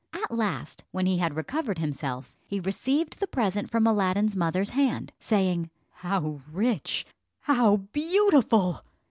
At last, when he had recovered himself, he received the present from Aladdin's mother's hand; saying, "How rich, how beautiful!"